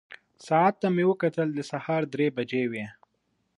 ساعت ته مې وکتل، د سهار درې بجې وې.